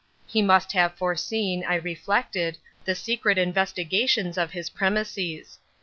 He must have foreseen, I reflected, the secret investigations of his premises.